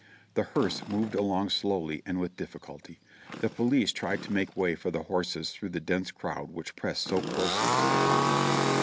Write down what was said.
The hearse moved along slowly and with difficulty; the police tried to make way for the horses through the dense crowd which pressed so closely to the coffin.